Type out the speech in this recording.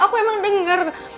aku emang dengar